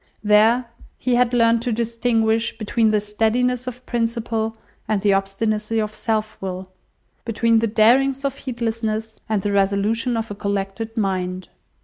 There, he had learnt to distinguish between the steadiness of principle and the obstinacy of self will, between the darings of heedlessness and the resolution of a collected mind.